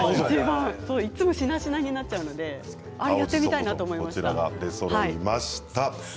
いつもしなしなになっちゃうのでやってみたいなと思いました。